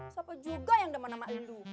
siapa juga yang nama nama induk